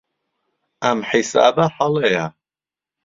ئەم حیسابە هەڵەیە.